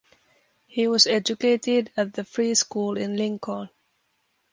He was educated at the free school in Lincoln.